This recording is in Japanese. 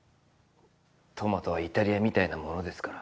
「トマトはイタリアみたいなものですから」